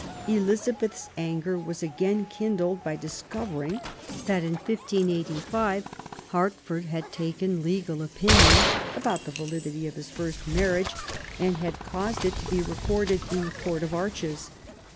Eliza beth's anger was again kindled by discovering that, in 1585, Hertford had taken legal opinion about the validity of his first marriage and had caused it to be recorded in the Court of Arches.